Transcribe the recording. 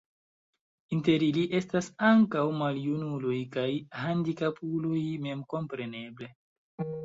Inter ili estas ankaŭ maljunuloj kaj handikapuloj memkompreneble.